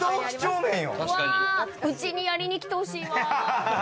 うちにやりに来てほしいわ。